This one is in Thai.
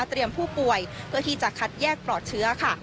ผู้ป่วยเพื่อที่จะคัดแยกปลอดเชื้อค่ะ